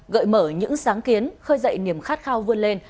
gợi mở những sáng kiến khơi dậy niềm khát khao vươn lên